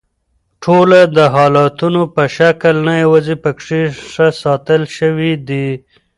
ټوله د حالتونو په شکل نه یواځي پکښې ښه ساتل شوي دي